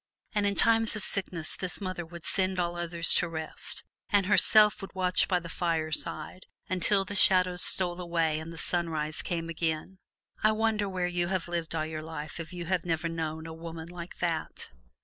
And in times of sickness this mother would send all others to rest, and herself would watch by the bedside until the shadows stole away and the sunrise came again. I wonder where you have lived all your life if you have never known a woman like that?